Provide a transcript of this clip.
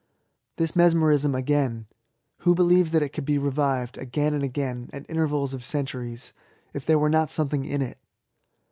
This Mesmerism again : who belieyes that it could be revived, again and again, at intervals of cen turies, if there were not something in it?